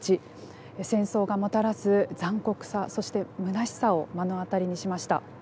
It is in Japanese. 戦争がもたらす残酷さそしてむなしさを目の当たりにしました。